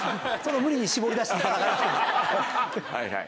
はいはい。